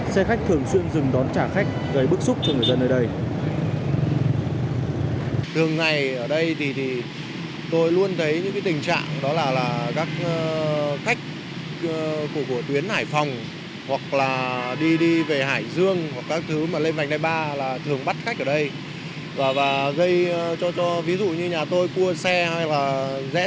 xe khách thường xuyên dừng đón trả khách gây bức xúc cho người dân nơi đây